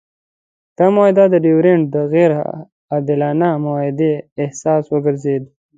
دا معاهده د ډیورنډ د غیر عادلانه معاهدې اساس وګرځېده.